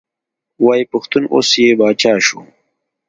وایي پښتون اوس یې پاچا شو.